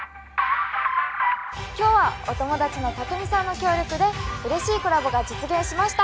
今日はお友達のタクミさんの協力でうれしいコラボが実現しました。